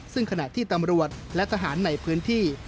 ซึ่งขณะที่ตำรวจและทหารในพื้นที่